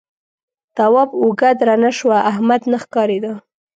تواب اوږه درنه شوه احمد نه ښکارېده.